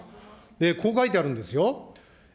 こう書いてあるんですよ。